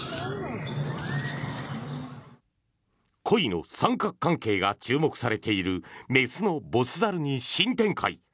恋の三角関係が注目されている雌のボス猿に新展開。